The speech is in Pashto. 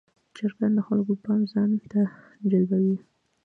چرګان د خلکو پام ځان ته جلبوي.